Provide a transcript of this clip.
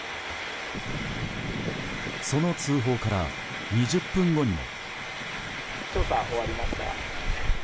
その通報から２０分後にも。